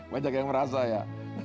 banyak yang merasa ya